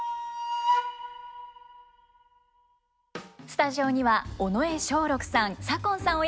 スタジオには尾上松緑さん左近さん